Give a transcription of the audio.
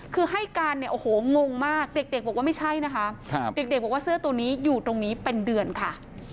คือให้การเนี่ยโอ้โหงงมากเด็กบอกว่าไม่ใช่นะคะเด็กบอกว่าเสื้อตัวนี้อยู่ตรงนี้เป็นเดือนค่ะ